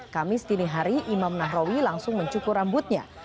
kamis dini hari imam nahrawi langsung mencukur rambutnya